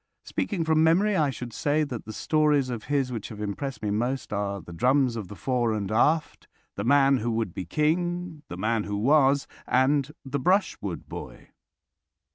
Speaking from memory, I should say that the stories of his which have impressed me most are "The Drums of the Fore and Aft," "The Man who Would be King," "The Man who Was," and "The Brushwood Boy."